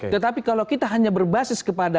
tetapi kalau kita hanya berbasis kepada